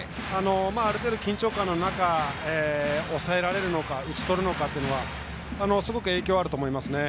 ある程度、緊張感の中抑えられるのか打ち取るのかというのは、すごく影響あると思いますね。